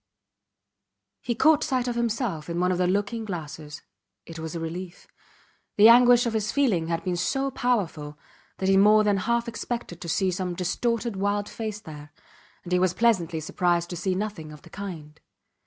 He caught sight of himself in one of the looking glasses. It was a relief. The anguish of his feeling had been so powerful that he more than half expected to see some distorted wild face there, and he was pleasantly surprised to see nothing of the kind.